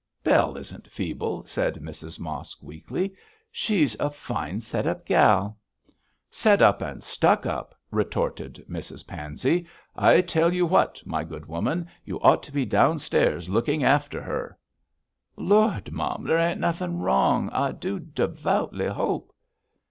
'Bell isn't feeble,' said Mrs Mosk, weakly. 'She's a fine set up gal.' 'Set up and stuck up,' retorted Mrs Pansey. 'I tell you what, my good woman, you ought to be downstairs looking after her.' 'Lord! mum, there ain't nothing wrong, I do devoutly hope.'